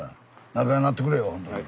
仲ようなってくれよほんとに。